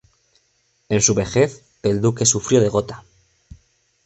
En su vejez, el duque sufrió de gota.